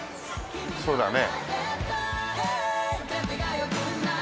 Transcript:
そうだね。